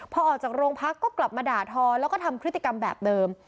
พอออกจากโรงพักก็กลับมาด่าทอแล้วก็ทำพฤติกรรมแบบเดิม